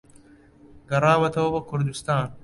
گەڕاوەتەوە بۆ کوردوستان